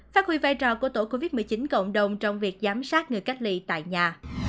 phát huy vai trò của tổ covid một mươi chín cộng đồng trong việc giám sát người cách ly tại nhà